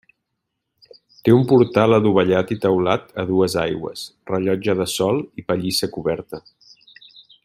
Té un portal adovellat i teulat a dues aigües, rellotge de sol i pallissa coberta.